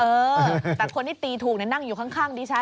เออแต่คนที่ตีถูกนั่งอยู่ข้างดิฉัน